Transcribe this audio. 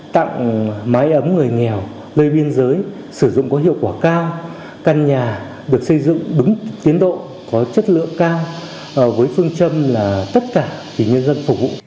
tặng mái ấm người nghèo nơi biên giới sử dụng có hiệu quả cao căn nhà được xây dựng đúng tiến độ có chất lượng cao với phương châm là tất cả vì nhân dân phục vụ